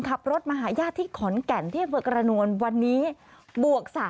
ขับรถมหาญาติที่ขอนแก่ลิงก์ที่เบอร์กรณวลวันนี้บวก๓